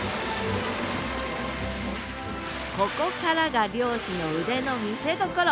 ここからが漁師の腕の見せどころ！